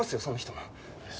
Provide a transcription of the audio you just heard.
その人も。